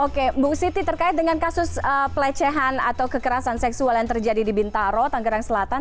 oke bu siti terkait dengan kasus pelecehan atau kekerasan seksual yang terjadi di bintaro tanggerang selatan